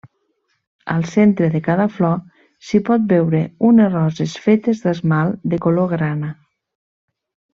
Al centre de cada flor s'hi pot veure unes roses fetes d'esmalt de color grana.